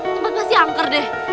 coba kasih angker deh